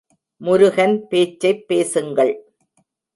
முருகன் பேச்சைப் பேசுங்கள்.